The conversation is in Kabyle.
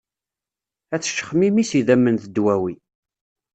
Ad teccexmimi s yidammen d dwawi.